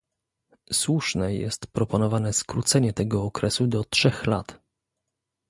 Słuszne jest proponowane skrócenie tego okresu do trzech lat